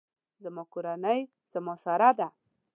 زما کورنۍ زما سره ده